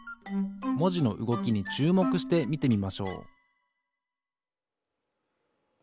もじのうごきにちゅうもくしてみてみましょう